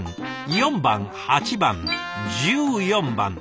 ４番８番１４番。